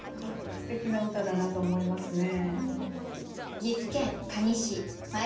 すてきな歌だなと思いますね。